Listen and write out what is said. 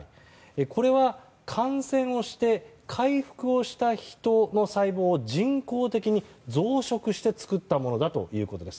これは感染をして回復をしたヒトの細胞を、人工的に増殖して作ったものだというんです。